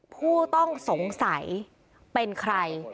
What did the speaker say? ผู้ต้องสงสัยเป็นใคร